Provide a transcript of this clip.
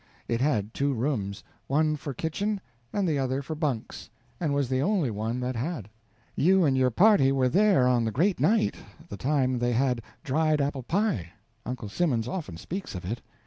It had two rooms, one for kitchen and the other for bunks, and was the only one that had. You and your party were there on the great night, the time they had dried apple pie, Uncle Simmons often speaks of it.